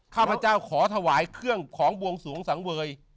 ข้าพเจ้าขอถวายเครื่องของบวงสวงสังเวย